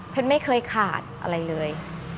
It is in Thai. แพทย์ไม่เคยขาดอะไรเลย